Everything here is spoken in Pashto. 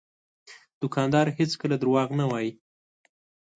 دوکاندار هېڅکله دروغ نه وایي.